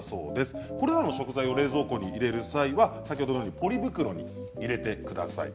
これらの食材を冷蔵庫に入れる際は先ほどのようにポリ袋に入れてください。